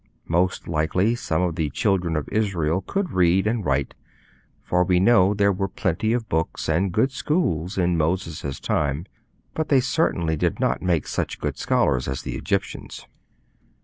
Most likely some of the Children of Israel could read and write, for we know there were plenty of books and good schools in Moses' time, but they certainly did not make such good scholars as the Egyptians.